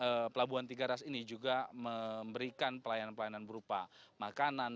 jadi pelabuhan tiga ras ini juga memberikan pelayanan pelayanan berupa makanan